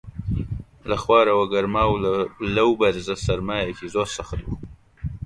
لە خوارەوە گەرما و لەو بەرزە سەرمایەکی زۆر سەخت بوو